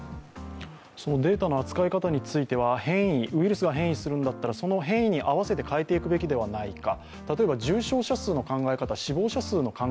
データの扱い方については、ウイルスが変異するんだったらその変異に合わせて変えていくべきではないか。